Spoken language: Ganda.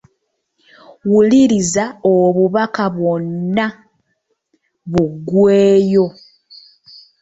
Wuliriza obubaka bwonna buggweeyo.